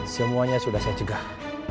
semuanya sudah saya cegah